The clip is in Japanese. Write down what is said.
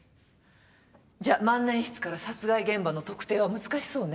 じゃ万年筆から殺害現場の特定は難しそうね。